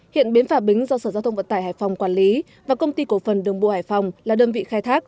hiện bến phà bính do sở giao thông vận tải hải phòng quản lý và công ty cổ phần đường bộ hải phòng là đơn vị khai thác